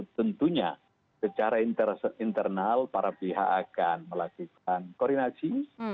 tentunya secara internal para pihak akan melakukan koordinasi